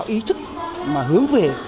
ý thức mà hướng về